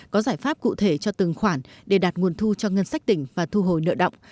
có giải pháp cụ thể cho từng khoản để đạt nguồn thu cho ngân sách tỉnh và thu hồi nợ động